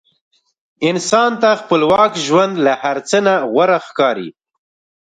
انسان ته خپلواک ژوند له هر څه نه غوره ښکاري.